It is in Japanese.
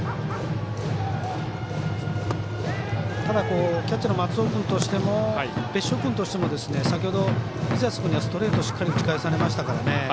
ただ、キャッチャーの松尾君としても別所君としても先ほど水安君にはストレートしっかり打ち返されましたからね。